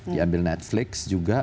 diambil netflix juga